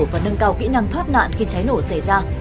và nâng cao kỹ năng thoát nạn khi cháy nổ xảy ra